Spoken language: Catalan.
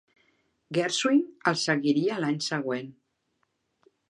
Gershwin el seguiria l'any següent.